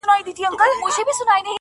نن دي بیا سترګو کي رنګ د میکدو دی,